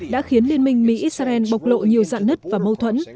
đã khiến liên minh mỹ israel bộc lộ nhiều dạn nứt và mâu thuẫn